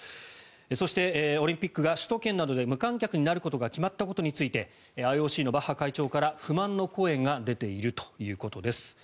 そして、オリンピックが首都圏などで無観客になることが決まったことについてＩＯＣのバッハ会長から不満の声が出ているということです。